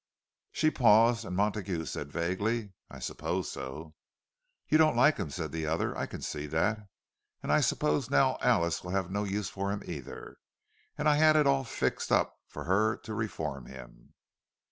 She paused; and Montague Said, vaguely, "I suppose so." "You don't like him," said the other. "I can see that. And I suppose now Alice will have no use for him, either. And I had it all fixed up for her to reform him!"